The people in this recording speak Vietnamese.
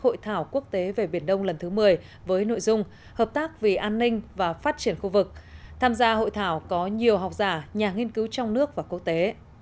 hội thảo quốc tế về biển đông lần thứ một mươi với nội dung hợp tác vì an ninh và phát triển khu vực tham gia hội thảo có nhiều học giả nhà nghiên cứu trong nước và quốc tế